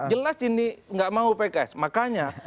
jelas ini nggak mau pks makanya